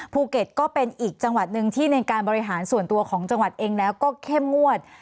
ภูเก็ตก็เป็นอีกจังหวัดหนึ่งที่ในการบริหารส่วนตัวของจังหวัดเองแล้วก็เข้มงวด